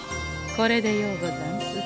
これでようござんす。